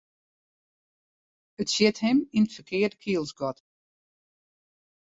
It sjit him yn it ferkearde kielsgat.